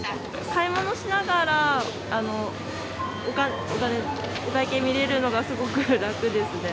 買い物しながらお会計、見れるのがすごく楽ですね。